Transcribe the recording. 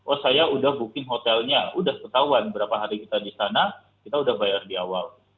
oh saya udah booking hotelnya udah ketahuan berapa hari kita di sana kita udah bayar di awal